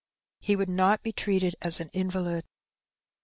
He would not be treated as an invalid.